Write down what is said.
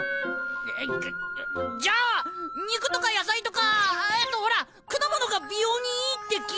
うっじゃあ肉とか野菜とかあとほら果物が美容にいいって聞いたことあるぞ。